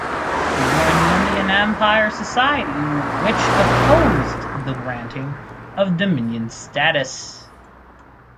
He joined the Indian Empire Society which opposed the granting of Dominion status.